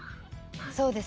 そうです。